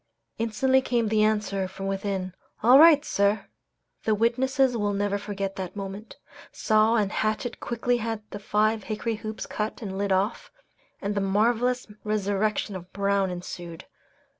Instantly came the answer from within, "All right, sir!" The witnesses will never forget that moment. Saw and hatchet quickly had the five hickory hoops cut and the lid off, and the marvellous resurrection of Brown ensued.